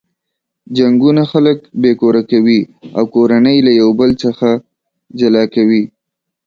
جنګونه خلک بې کوره کوي او کورنۍ له یو بل څخه جلا کوي.